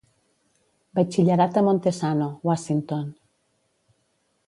Batxillerat a Montesano, Washington.